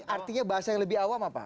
artinya bahasa yang lebih awam apa